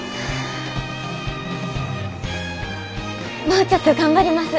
もうちょっと頑張ります。